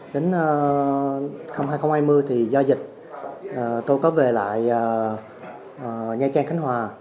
đến năm hai nghìn hai mươi thì do dịch tôi có về lại nha trang khánh hòa